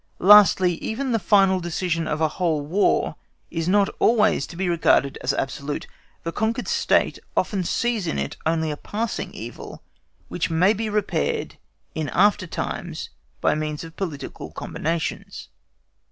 Lastly, even the final decision of a whole War is not always to be regarded as absolute. The conquered State often sees in it only a passing evil, which may be repaired in after times by means of political combinations.